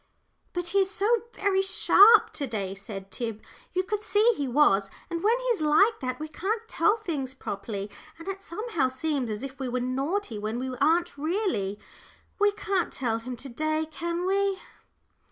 "But he is so very sharp to day," said Tib; "you could see he was. And when he is like that we can't tell things properly, and it somehow seems as if we were naughty when we aren't really. We can't tell him to day, can we?"